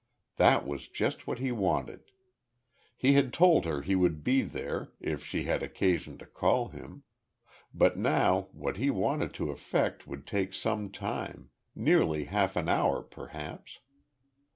That was just what he wanted. He had told her he would be there, if she had occasion to call him; but now, what he wanted to effect would take some time, nearly half an hour perhaps.